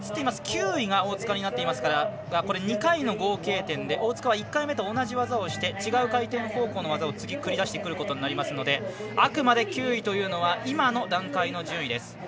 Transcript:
大塚が９位になっていますから２回の合計点で大塚は１回目と同じ技をして違う回転方向の技を次、繰り出してくることになりますのであくまで９位というのは今の段階の順位です。